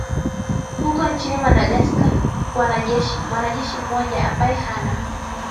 huko nchini madagascar wanajeshi mwanajeshi mmoja ambaye hana